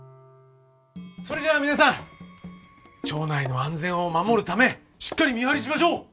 それじゃ皆さん町内の安全を守るためしっかり見張りしましょう。